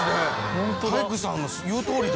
ホントだ体育さんの言うとおりだ